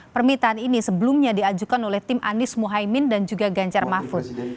permintaan ini sebelumnya diajukan oleh tim anies mohaimin dan juga ganjar mahfud